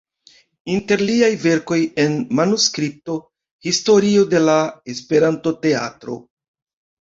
Inter liaj verkoj en manuskripto: Historio de la Esperanto-teatro.